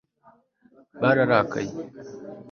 bararakaye